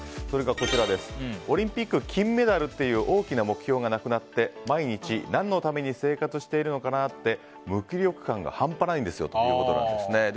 それがオリンピック金メダルっていう大きな目標がなくなって毎日、何のために生活しているのかなって無気力感が半端ないんですよということなんですね。